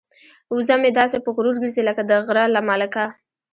وزه مې داسې په غرور ګرځي لکه د غره ملکه.